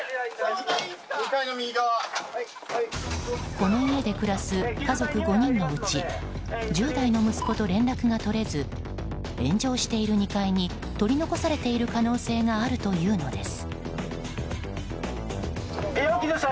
この家で暮らす家族５人のうち１０代の息子と連絡がとれず炎上している２階に取り残されている可能性があるというのです。